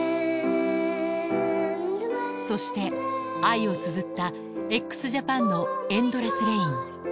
そして愛をつづった、ＸＪＡＰＡＮのＥＮＤＬＥＳＳＲＡＩＮ。